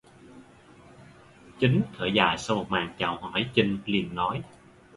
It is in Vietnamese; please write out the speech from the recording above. Chính thở dài sau một màn chào hỏi chinh liền nói